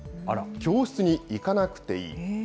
教室に行かなくていい。